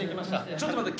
「ちょっと待って。